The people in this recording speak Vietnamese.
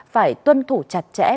phải tuân thủ chặt chẽ